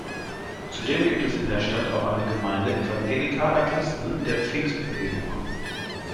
Zudem gibt es in der Stadt auch eine Gemeinde evangelikaler Christen der Pfingstbewegung.